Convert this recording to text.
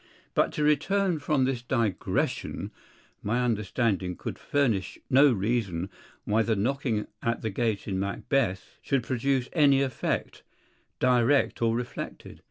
But to return from this digression, my understanding could furnish no reason why the knocking at the gate in Macbeth should produce any effect, direct or reflected.